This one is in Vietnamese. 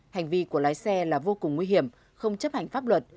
hành vi của lái xe là vô cùng nguy hiểm không chấp hành pháp luật